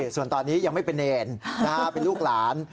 ส่วนตอนนี้ยังไม่เป็นเนรเป็นลูกหลาน